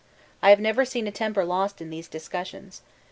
I have never seen a temper lost in these discussions.